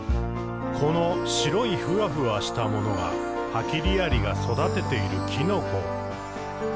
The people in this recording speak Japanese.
「この白いふわふわしたものがハキリアリが育てているきのこ。」